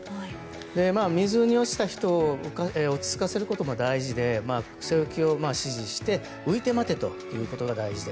水に落ちた人を落ち着かせることが大事で背浮きを指示して浮いてまてということが大事。